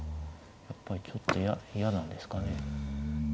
やっぱりちょっと嫌なんですかね。